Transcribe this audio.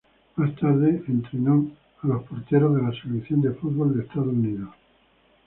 Más tarde, entrenó a los porteros de la selección de fútbol de Estados Unidos.